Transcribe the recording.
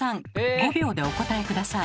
５秒でお答え下さい。